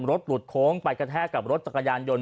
รถหลุดโค้งไปกระแทกกับรถจักรยานยนต์